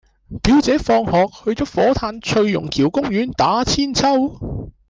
表姐放學去左火炭翠榕橋公園打韆鞦